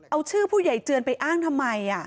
เอาชื่อผู้ใหญ่เจือนไปอ้างทำไม